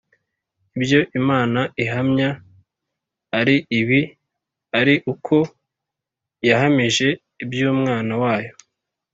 ibyo Imana ihamya ari ibi, ari uko yahamije iby'Umwana wayo.